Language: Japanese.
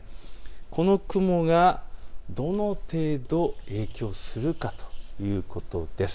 この雲がどの程度影響するかということです。